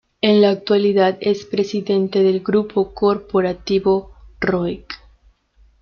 En la actualidad es presidente del Grupo Corporativo Roig.